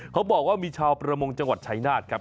เขาบอกว่ามีชาวประมงจังหวัดชายนาฏครับ